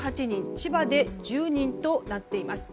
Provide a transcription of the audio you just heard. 千葉で１０人となっています。